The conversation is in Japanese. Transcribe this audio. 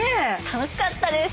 楽しかったです。